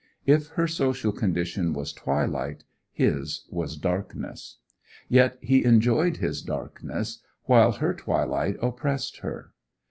If her social condition was twilight, his was darkness. Yet he enjoyed his darkness, while her twilight oppressed her.